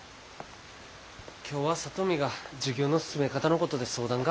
今日は里美が授業の進め方のことで相談があるって。